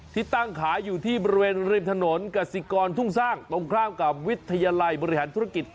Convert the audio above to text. ที่ตั้งขายอยู่ที่บริเวณริมถนนกสิกรทุ่งสร้างตรงข้ามกับวิทยาลัยบริหารธุรกิจ